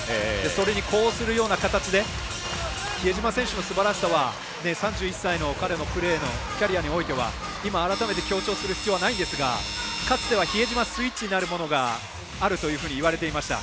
それに呼応するような形で比江島選手のすばらしさは３１歳の彼のプレーのキャリアにおいては今改めて、強調する必要はないんですが、かつては比江島スイッチがあるというふうに言われていました。